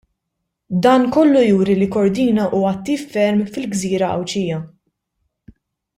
Dan kollu juri li Cordina hu attiv ferm fil-gżira Għawdxija.